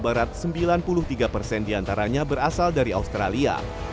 barat sembilan puluh tiga persen diantaranya berasal dari australia